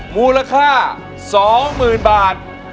มูลค่าสองหมื่นบาท